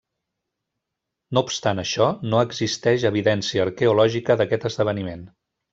No obstant això, no existeix evidència arqueològica d'aquest esdeveniment.